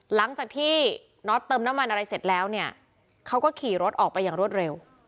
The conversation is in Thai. หลังจากที่น็อตเติมน้ำมันอะไรเสร็จแล้วเนี่ยเขาก็ขี่รถออกไปอย่างรวดเร็ว